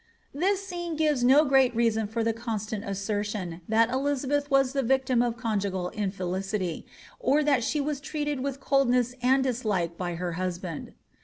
" This scene gives no great reason for the constant assertion, that Eli» beth was the victim of conjugal infelicity, or that she was treated with coldness and dislike by her husband.